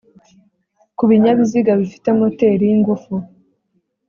ku binyabiziga bifite moteri y'ingufu.